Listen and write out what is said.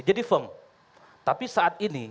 jadi feng tapi saat ini